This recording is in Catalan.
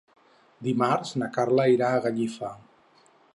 Dimarts na Carla irà a Gallifa.